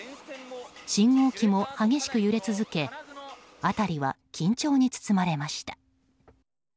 信号機も激しく揺れ続け辺りは緊張に包まれました。